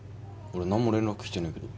俺何も連絡来てねえけど。